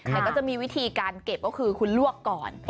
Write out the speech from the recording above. แต่ก็จะมีวิธีการเก็บก็คือคุณลวกก่อน